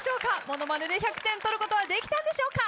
モノマネで１００点取ることはできたんでしょうか？